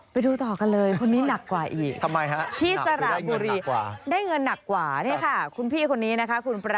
ไปดูต่อกันเลยคนนี้หนักกว่าอีก